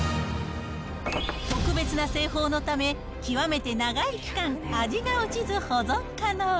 特別な製法のため、極めて長い期間、味が落ちず、保存可能。